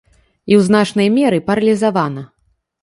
І ў значнай меры паралізавана.